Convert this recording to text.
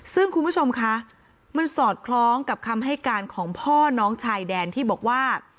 ซึ่งคุณผู้ชมคะมันสอดคล้องกับคำให้การของพ่อน้องชายแดนที่บอกว่า